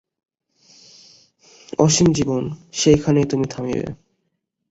অসীম জীবন! সেইখানে তুমি থামিবে।